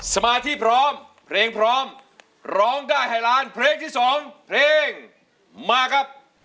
สมาธิพร้อมเพลงพร้อมร้องได้ให้ล้านเพลงที่สองเพลงมาครับ